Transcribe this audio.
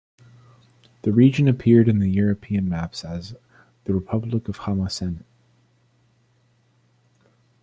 The region appeared in European maps as 'The Republic of Hamasien'.